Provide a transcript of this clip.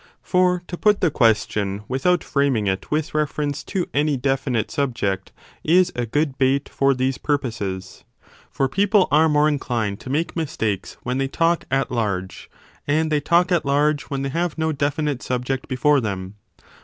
For to put the question without framing it with reference to any definite subject is a good bait for these purposes: for people are more inclined to make mistakes when they talk at large, and they talk at large when they have no definite subject 15 before them.